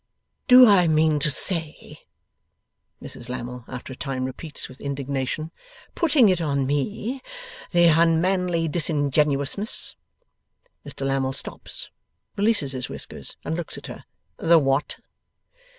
'Do I mean to say!' Mrs Lammle after a time repeats, with indignation. 'Putting it on me! The unmanly disingenuousness!' Mr Lammle stops, releases his whiskers, and looks at her. 'The what?